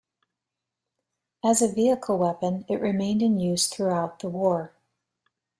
As a vehicle weapon, it remained in use throughout the war.